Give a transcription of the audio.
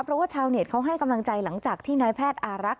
เพราะว่าชาวเน็ตเขาให้กำลังใจหลังจากที่นายแพทย์อารักษ